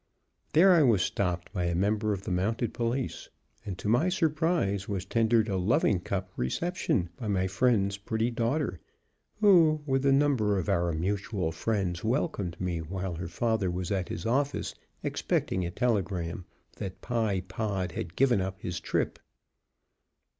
There I was stopped by a member of the mounted police, and, to my surprise, was tendered a Loving cup Reception by my "friend's" pretty daughter, who, with a number of our mutual friends, welcomed me while her father was at his office expecting a telegram that Pye Pod had given up his trip.